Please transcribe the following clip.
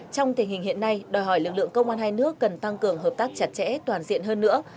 trong tình hình hiện nay đòi hỏi lực lượng công an hai nước cần tăng cường hợp tác chặt chẽ toàn diện hơn nữa